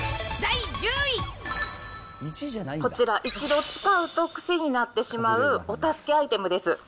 こちら、一度使うと、癖になってしまう、お助けアイテムです。